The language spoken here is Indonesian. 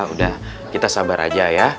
udah kita sabar aja ya